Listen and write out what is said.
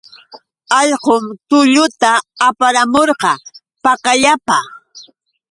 Allqun tullata aparamurqa pakallapa.